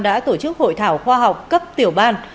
đã tổ chức hội thảo khoa học cấp tiểu ban